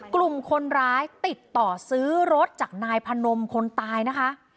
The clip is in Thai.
กลุ่มคนร้ายติดต่อซื้อรถจากนายพนมคนตายนะคะ